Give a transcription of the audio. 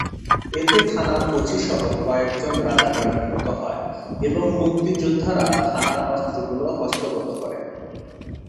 এতে থানার ওসিসহ কয়েকজন রাজাকার নিহত হয় এবং মুক্তিযোদ্ধারা থানার অস্ত্রগুলো হস্তগত করে।